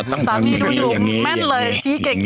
สามีดูอยู่แม่นเลยชี้เก่ง